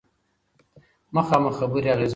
مخامخ خبرې اغیزمنې وي.